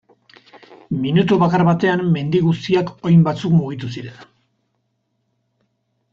Minutu bakar batean mendi guztiak oin batzuk mugitu ziren.